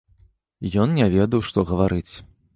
Ён не ведаў, што гаварыць.